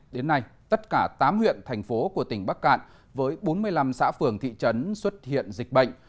đến nay tất cả tám huyện thành phố của tỉnh bắc cạn với bốn mươi năm xã phường thị trấn xuất hiện dịch bệnh